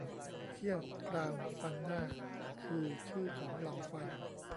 เขี้ยว กราม ฟันหน้า คือ ชื่อของเหล่าฟัน